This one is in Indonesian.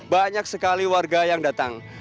banyak sekali warga yang datang